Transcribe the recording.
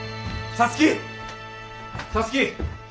皐月！